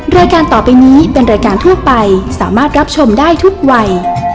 รายการต่อไปนี้เป็นรายการทั่วไปสามารถรับชมได้ทุกวัย